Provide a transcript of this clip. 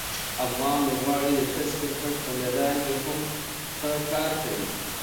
افغان لوبغاړي د ټسټ کرکټ په میدان کې هم ښه کار کوي.